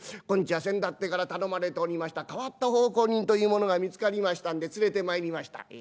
今日はせんだってから頼まれておりました変わった奉公人という者が見つかりましたんで連れてまいりました」。